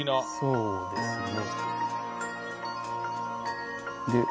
そうですね。